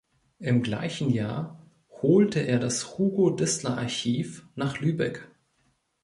Im gleichen Jahr holte er das Hugo-Distler-Archiv nach Lübeck.